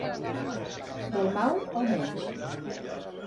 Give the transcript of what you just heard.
Del mal, el menys.